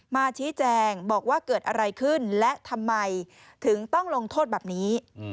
มาชี้แจงบอกว่าเกิดอะไรขึ้นและทำไมถึงต้องลงโทษแบบนี้